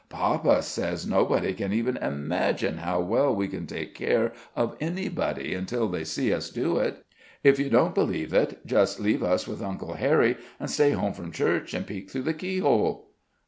Papa says nobody can even imagine how well we can take care of anybody until they see us do it. If you don't believe it, just leave us with Uncle Harry, an' stay home from church an' peek through the key hole."